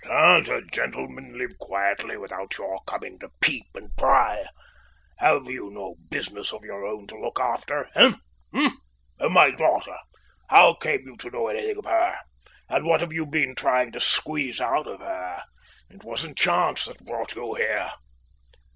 "Can't a gentleman live quietly without your coming to peep and pry? Have you no business of your own to look after, eh? And my daughter? how came you to know anything of her? and what have you been trying to squeeze out of her? It wasn't chance that brought you here."